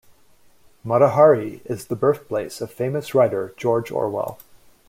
Motihari is the birthplace of famous writer George Orwell.